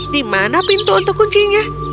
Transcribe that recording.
di mana pintu untuk kuncinya